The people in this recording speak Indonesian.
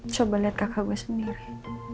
coba lihat kakak gue sendiri